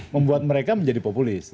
membuat mereka menjadi populis